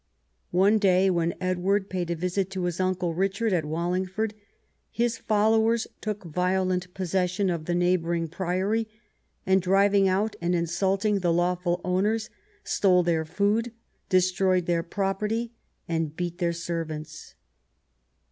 One day, when Edward paid a visit to his uncle Richard at Wallingford, his followers took violent possession of the neighbouring priory, and, driving out and insulting the lawful owners, stole their food, destroyed their property, and beat their servants.